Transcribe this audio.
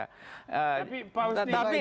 tapi pak bos ini